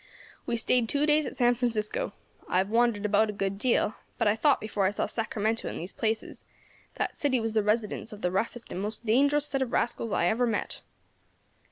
We stayed two days at San Francisco. I have wandered about a good deal, but I thought before I saw Sacramento and these places, that city was the residence of the roughest and most dangerous set of rascals I ever met.